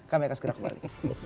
kami akan segera kembali